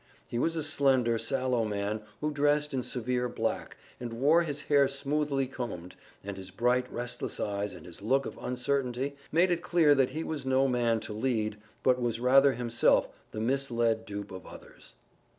He was a slender, sallow man who dressed in severe black and wore his hair smoothly combed, and his bright, restless eyes and his look of uncertainty made it clear that he was no man to lead, but was rather himself the misled dupe of others.